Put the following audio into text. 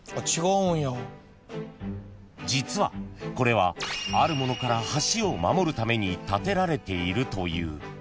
［実はこれはあるものから橋を守るために立てられているという］